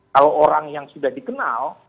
kalau orang yang sudah dikenal